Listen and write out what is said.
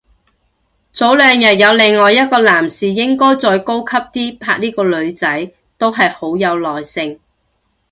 早兩日有另一個男士應該再高級啲拍呢個女仔，都係好有耐性